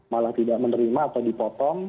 malah tidak menerima atau dipotong